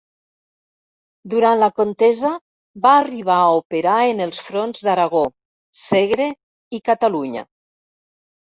Durant la contesa va arribar a operar en els fronts d'Aragó, Segre i Catalunya.